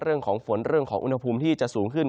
เรื่องของฝนเรื่องของอุณหภูมิที่จะสูงขึ้น